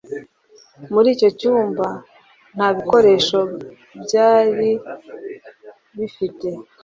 Muri icyo cyumba nta bikoresho byari bifite